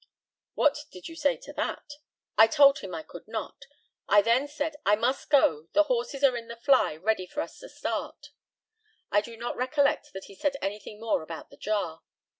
What did you say to that? I told him I could not. I then said, "I must go, the horses are in the fly ready for us to start." I do not recollect that he said anything more about the jar.